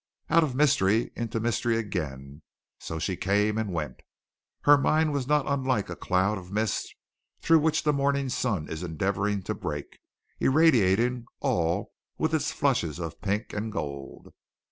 Out of mystery into mystery again, so she came and went. Her mind was not unlike a cloud of mist through which the morning sun is endeavoring to break, irradiating all with its flushes of pink and gold.